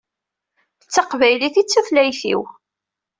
D taqbaylit i d tutlayt-iw.